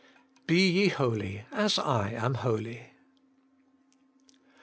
BE YE HOLY, AS I AM HOLY.